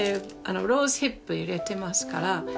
ローズヒップ入れてますから。